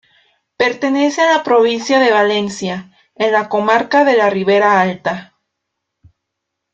Pertenece a la provincia de Valencia, en la comarca de la Ribera Alta.